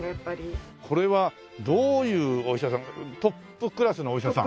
これはどういうお医者さんトップクラスのお医者さん？